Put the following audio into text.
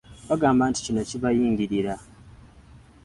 Bagamba nti kino kibayingirira.